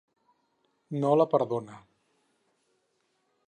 No la perdona.